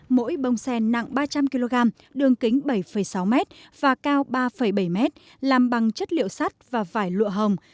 mỗi bông sen nặng ba trăm linh kg đường kính bảy sáu m và cao ba bảy m làm bằng chất liệu sắt và vải lụa hồng